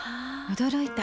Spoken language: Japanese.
驚いた。